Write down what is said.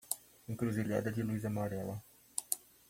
Encruzilhada de luz amarela